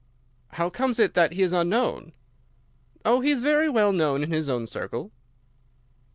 "How comes it that he is unknown?" "Oh, he is very well known in his own circle."